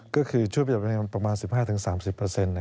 ก็คือช่วยประหลาดพลังงานประมาณ๑๕๓๐เปอร์เซ็นต์